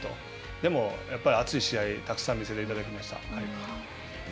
でもやっぱり熱い試合、たくさん見せていただきました。